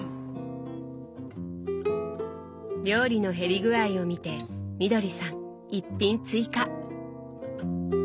料理の減り具合を見てみどりさん１品追加！